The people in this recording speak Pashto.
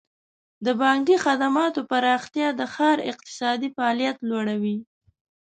د بانکي خدماتو پراختیا د ښار اقتصادي فعالیت لوړوي.